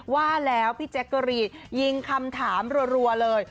ว่าแล้วพี่แจ๊กกะรีนยิงคำถามรัวเลย